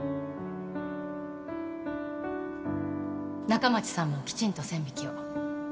仲町さんもきちんと線引きを